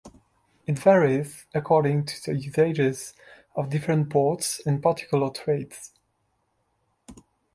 It varies according to the usages of different ports and particular trades.